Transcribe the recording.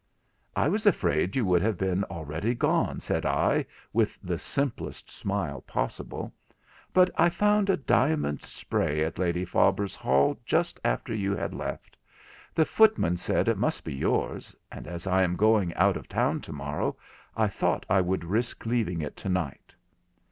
'I was afraid you would have been already gone,' said I with the simplest smile possible, 'but I found a diamond spray in Lady Faber's hall just after you had left. The footman said it must be yours, and as I am going out of town to morrow, I thought I would risk leaving it tonight.'